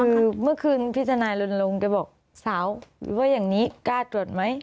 คือเมื่อคืนพี่ทนายรณรงค์แกบอกสาวว่าอย่างนี้กล้าตรวจไหม